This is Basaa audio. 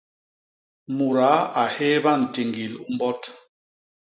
Mudaa a hééba ntiñgil u mbot.